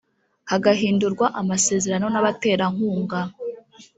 hagahindurwa amasezerano n’abaterankunga